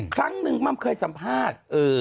ครั้งนึงม่ามเคยสัมภาพ